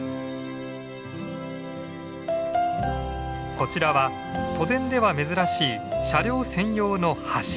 こちらは都電では珍しい車両専用の橋。